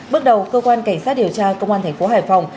bước đầu cơ quan cảnh sát điều tra công an thành phố hải phòng